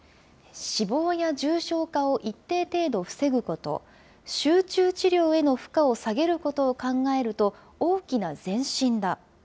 死亡や重症化を一定程度防ぐこと、集中治療への負荷を下げることを考えると、大きな前進だ。